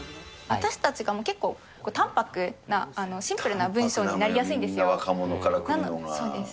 私たちが結構、淡泊な、シンプルな文章になりやすいんですよ。